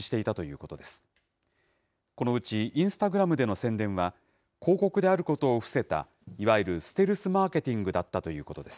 このうち、インスタグラムでの宣伝は、広告であることを伏せた、いわゆるステルスマーケティングだったということです。